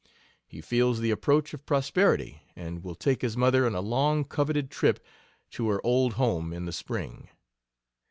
He feels the approach of prosperity, and will take his mother on a long coveted trip to her old home in the spring.